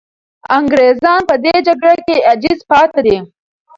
انګریزان په دې جګړه کې عاجز پاتې دي.